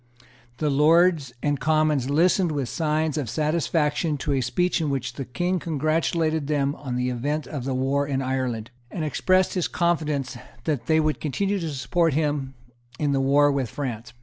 The Lords and Commons listened with signs of satisfaction to a speech in which the King congratulated them on the event of the war in Ireland, and expressed his confidence that they would continue to support him in the war with France.